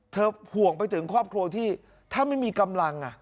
ห่วงไปถึงครอบครัวที่ถ้าไม่มีกำลัง